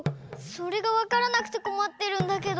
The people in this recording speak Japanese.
それがわからなくてこまってるんだけど。